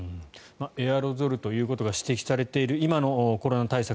エアロゾルということが指摘されている今のコロナ対策